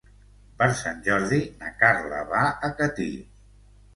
Per Sant Jordi na Carla va a Catí.